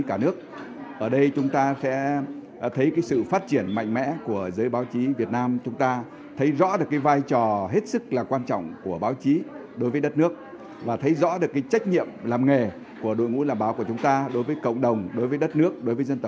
cả nước những ngày này công tác chuẩn bị đang được gấp rút hoàn thiện